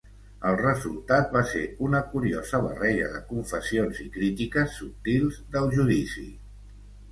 El resultat va ser una curiosa barreja de confessions i crítiques subtils del judici.